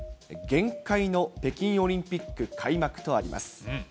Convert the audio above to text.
厳戒の北京オリンピック開幕とあります。